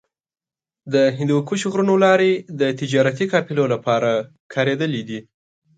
د هندوکش غرونو لارې د تجارتي قافلو لپاره کارېدلې دي.